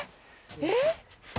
えっ？